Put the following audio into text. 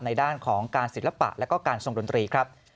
ในด้านของการศิลปะแล้วก็การทรงดนตรีครับ